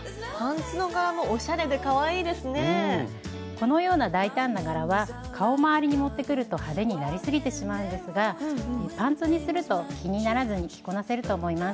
このような大胆な柄は顔回りに持ってくると派手になりすぎてしまうんですがパンツにすると気にならずに着こなせると思います。